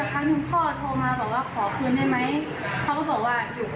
เขาก็บอกว่าอยู่โคราชแล้วถ้าอยากได้คืนให้โอนเงินมาก่อน๒๐๐๐บาทรอบแรก